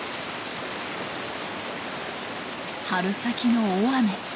春先の大雨。